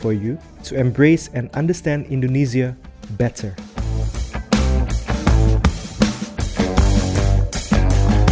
untuk mengambil alih dan memahami indonesia lebih baik